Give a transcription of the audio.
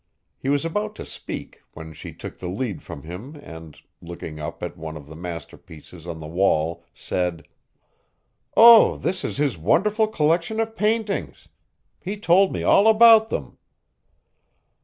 He was about to speak when she took the lead from him and, looking up at one of the masterpieces on the wall, said: "Oh, this is his wonderful collection of paintings! He told me all about them."